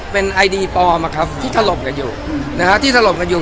เป้อนรับครับอ่ะครับที่ทรงกับอยู่นะฮะที่ทรงกับอยู่